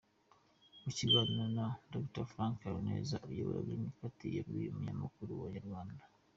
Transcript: Mu kiganiro na Dr Frank Habineza uyobora Green Party, yabwiye umunyamakuru wa Umuryango.